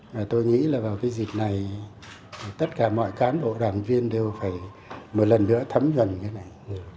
mà tôi nghĩ là vào cái dịp này tất cả mọi cán bộ đoàn viên đều phải một lần nữa thấm gần cái này